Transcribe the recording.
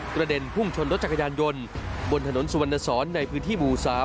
เด็นพุ่งชนรถจักรยานยนต์บนถนนสุวรรณสอนในพื้นที่หมู่๓